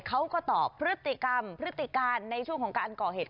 เขาก็ตอบพฤติกรรมพฤติการในช่วงของการก่อเหตุ